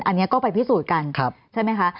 อันนี้ก็ไปพิสูจน์กันใช่ไหมคะ